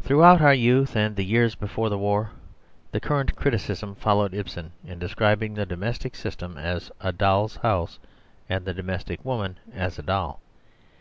Throughout our youth and the years before the War, the current criticism followed Ibsen in describing the domestic system as a doll's house and the domestic woman as a doll.